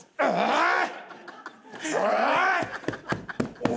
おい！